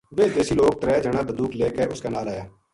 ویہ دیسی لوک ترے جنا بندوق لے کے اس کے نال آیا